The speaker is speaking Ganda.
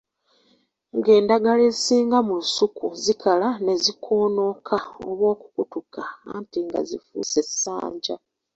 Ng'endagala ezisinga mu lusuku zikala ne zikoonoka oba okukutuka anti nga zifuuse essanja.